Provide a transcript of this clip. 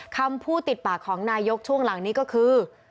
คำพูดติดปากของนายกช่วงหลังนี้ก็คือ